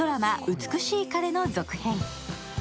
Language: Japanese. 「美しい彼」の続編。